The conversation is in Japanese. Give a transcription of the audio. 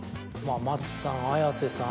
松さん綾瀬さん